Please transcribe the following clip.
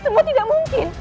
semua tidak mungkin